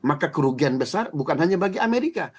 maka kerugian besar bukan hanya bagi amerika